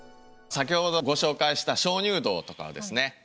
先ほどご紹介した鍾乳洞とかはですね